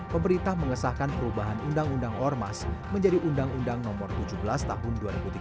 pemerintah mengesahkan perubahan undang undang ormas menjadi undang undang nomor tujuh belas tahun dua ribu tiga belas